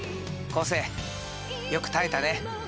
生よく耐えたね！